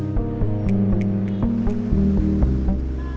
tasik tasik tasik